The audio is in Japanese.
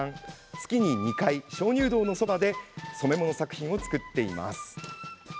月に２回、鍾乳洞のそばで染め物作品を作っています。